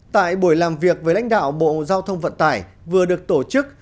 tại buổi làm việc với lãnh đạo bộ giao thông vận tải vừa được tổ chức